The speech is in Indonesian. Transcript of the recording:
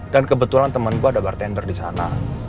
dan kebetulan temen gue ada bartender di sana